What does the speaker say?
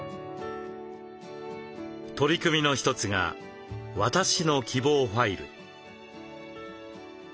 取り組みの一つが「私の希望ファイル」。